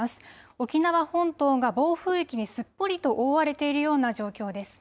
沖縄本島が暴風域にすっぽりと覆われているような状況です。